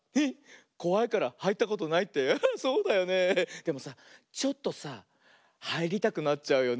でもさちょっとさはいりたくなっちゃうよね。